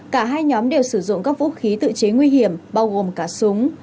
cả hai nhóm đều sử dụng các vũ khí tự chế nguy hiểm bao gồm cả súng